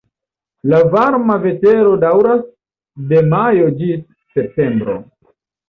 La varma vetero daŭras de majo ĝis septembro.